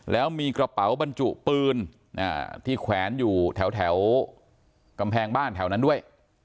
แล้วมีกระเป๋าบรรจุปืนที่แขวนอยู่แถวกำแพงบ้านแถวนั้นด้วย